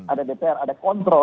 ada dpr ada kontrol